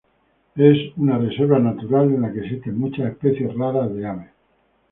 Es una reserva natural, en la que existen muchas especies raras de aves.